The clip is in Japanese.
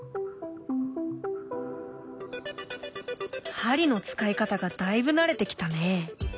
針の使い方がだいぶ慣れてきたね。